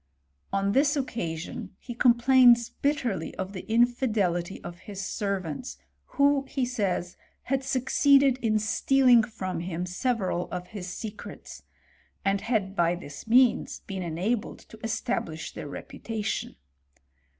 On this occasion he complains bitterly of the infidelity of his servants, who, he says, had succeeded in stealing from him several of his secrets ; and had by this means befen enabled to establish their reputation.